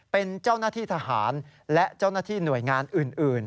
เป็นเจ้าหน้าที่ทหารและเจ้าหน้าที่หน่วยงานอื่น